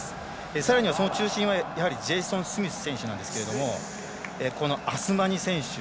さらにはその中心はジェイソン・スミス選手なんですけどこのアスマニ選手